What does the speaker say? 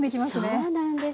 そうなんです。